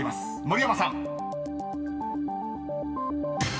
盛山さん］